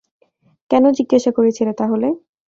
কেন জিজ্ঞাসা করেছিলে তাহলে?